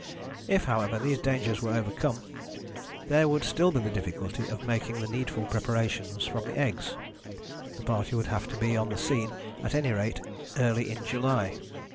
If, however, these dangers were overcome there would still be the difficulty of making the needful preparations from the eggs. The party would have to be on the scene at any rate early in July.